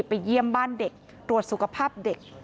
ไปเยี่ยมบ้านเด็กตรวจสุขภาพเด็ก